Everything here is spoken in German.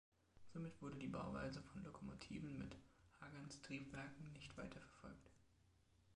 Somit wurde die Bauweise von Lokomotiven mit Hagans-Triebwerken nicht weiterverfolgt.